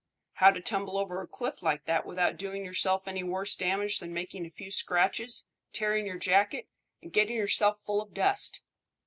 "How to tumble over a cliff like that without doing yourself any worse damage than making a few scratches, tearing your jacket, and getting yourself full of dust."